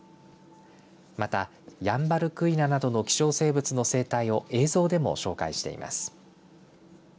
またヤンバルクイナなどの希少生物の生態を映像でも紹介しています。